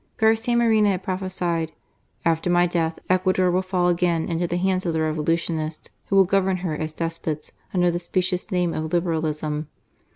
Garcia Moreno had prophesied: "After my death, Ecuador will fall again into the hands of the Revolutionists, who will govern her as despots, under the specious name of Liberalism.